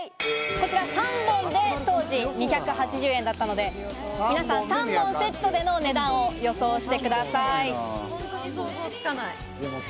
こちら三本で当時２８０円だったので、皆さん３本セットでの値段を予想してください。